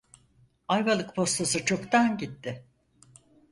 Ayvalık postası çoktan gitti.